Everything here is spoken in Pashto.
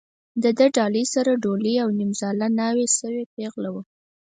د ده ډالۍ سره ډولۍ او نیمزاله ناوې شوې پېغله وه.